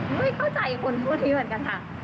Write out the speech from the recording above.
ไม่เข้าใจคนทั่วนี้เหมือนกันค่ะ